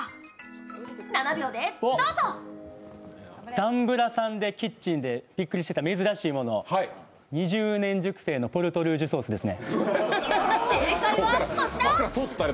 ダンブラさんでキッチンでびっくりしてた珍しいもの、２０年熟成ポルトルージュソースですね。